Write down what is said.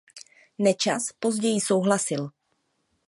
Nečas později souhlasil.